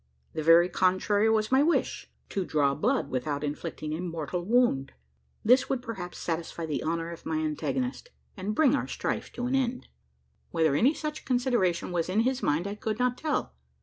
The very contrary was my wish to draw blood without inflicting a mortal wound. This would perhaps satisfy the honour of my antagonist, and bring our strife to an end. Whether any such consideration was in his mind, I could not tell.